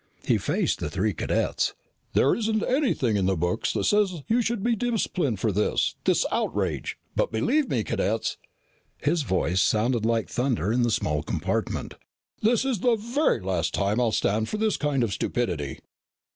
He faced the three cadets. "There isn't anything in the books that says you should be disciplined for this this outrage, but believe me, Cadets" his voice sounded like thunder in the small compartment "this is the very last time I'll stand for this kind of stupidity."